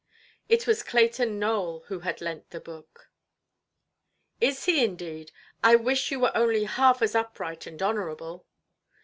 It was Clayton Nowell who had lent the book. "Is he indeed? I wish you were only half as upright and honourable".